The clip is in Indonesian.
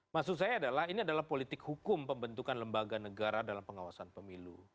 maksud saya adalah ini adalah politik hukum pembentukan lembaga negara dalam pengawasan pemilu